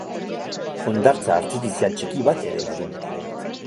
Hondartza artifizial txiki bat ere badu.